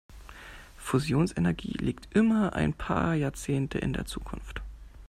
Fusionsenergie liegt immer ein paar Jahrzehnte in der Zukunft.